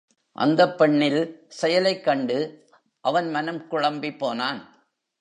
அந்தப் பெண்ணில் செயலைக் கண்டு, அவன் மனம் குழம்பிப் போனான்.